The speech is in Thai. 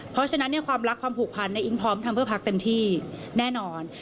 เพราะฉะนั้นความรักความผูกพันในอิ๊งพร้อมทำเพื่อพักเต็มที่แน่นอน